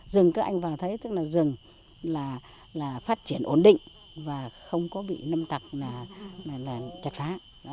rừng các anh vào thấy tức là rừng là phát triển ổn định và không có bị lâm tặc là chặt phá